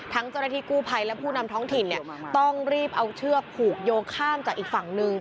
เจ้าหน้าที่กู้ภัยและผู้นำท้องถิ่นเนี่ยต้องรีบเอาเชือกผูกโยงข้ามจากอีกฝั่งหนึ่ง